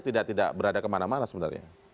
tidak tidak berada kemana mana sebenarnya